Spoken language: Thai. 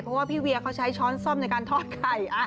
เพราะว่าพี่เวียเขาใช้ช้อนส้มในการทอดไข่